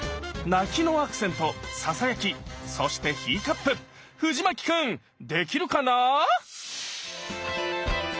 泣きのアクセントささやきそしてヒーカップ藤牧君できるかな？